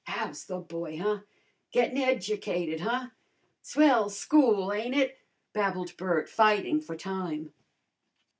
How's the boy, huh? Gettin' educated, huh? Swell school, ain't it?" babbled Bert, fighting for time.